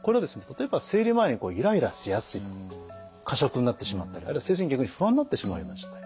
例えば生理前にイライラしやすいとか過食になってしまったりあるいは精神的に不安になってしまうような状態